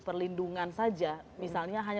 perlindungan saja misalnya hanya